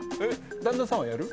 旦那さんはやる？